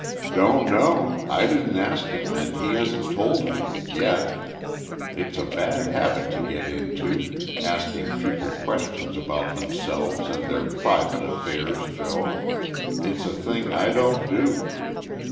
"Don't know, I didn't ask him and he hasn't told me yet. It's a bad habit to get into asking people questions about themselves and their private affairs, Joe. It's a thing I don't do."